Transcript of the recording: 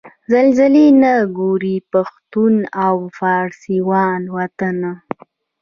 زلزلې نه ګوري پښتون او فارسي وان وطنه